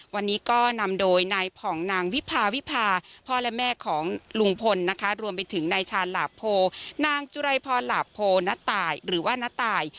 วันนี้ก็นำโดยในผ่องนางวิภาวิภาพ่อและแม่ของลุงพลรวมไปถึงนายชาญหลาโพนางจุไรพรหลาโพนาตาย